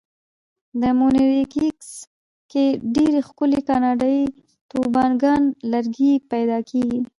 په مونټریکس کې ډېر ښکلي کاناډایي توبوګان لرګي پیدا کېږي.